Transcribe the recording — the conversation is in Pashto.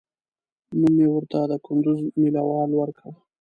نوم مې ورته د کندوز مېله وال ورکړ.